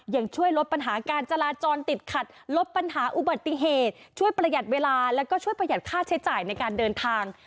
ยังช่วยลดปัญหาการจราจรติดขัดลบปัญหาอุบัติเหตุช่วยประหยัดเวลาแล้วก็ช่วยประหยัดค่าใช้จ่ายในการเดินทาง